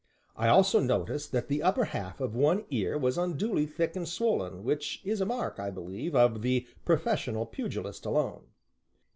I also noticed that the upper half of one ear was unduly thick and swollen, which is a mark (I believe) of the professional pugilist alone.